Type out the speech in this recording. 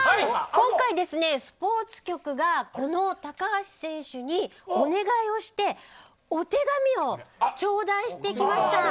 今回ですね、スポーツ局がこの高橋選手にお願いをしてお手紙を頂戴してきました。